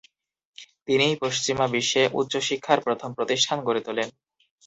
তিনিই পশ্চিমা বিশ্বে উচ্চ শিক্ষার প্রথম প্রতিষ্ঠান গড়ে তোলেন।